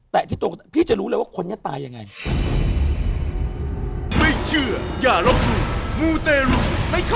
แตะที่ตัวคนตายพี่จะรู้แล้วว่าคนยังตายยังไง